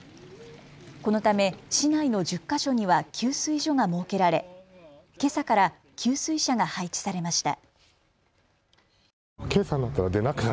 このため市内の１０か所には給水所が設けられけさから給水車が配置されました。